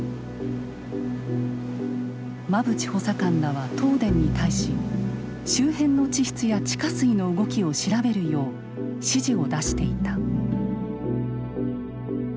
馬淵補佐官らは東電に対し周辺の地質や地下水の動きを調べるよう指示を出していた。